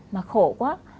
mà khổ quá